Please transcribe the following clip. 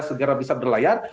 segera bisa berlayar